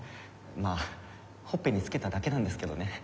まあほっぺにつけただけなんですけどね。